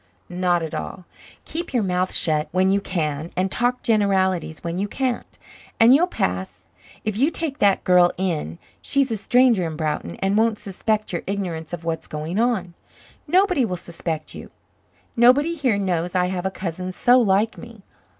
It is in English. "Not at all. Keep your mouth shut when you can and talk generalities when you can't, and you'll pass. If you take that girl in she's a stranger in Broughton and won't suspect your ignorance of what's going on. Nobody will suspect you. Nobody here knows I have a cousin so like me.